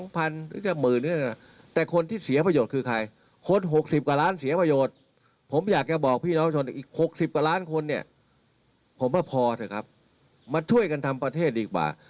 พอเถอะครับมาช่วยกันทำประเทศดีกว่า